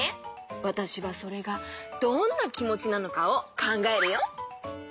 わたしはそれがどんなきもちなのかをかんがえるよ。